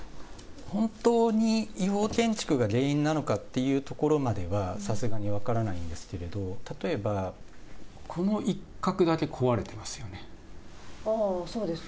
本当に違法建築が原因なのかっていうところまでは、さすがに分からないんですけれども、例えば、ああー、そうですよね。